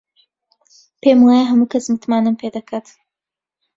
پێم وایە هەموو کەس متمانەم پێ دەکات.